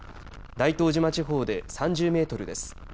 大東島地方で３０メートルです。